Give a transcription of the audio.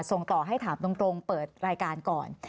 ส่งต่อให้ถามตรงเปิดรายการก่อน